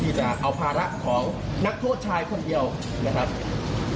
จะเอาภาระของนักโทษชายคนเดียวนะครับ